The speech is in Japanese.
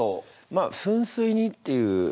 まあ「噴水に」っていう。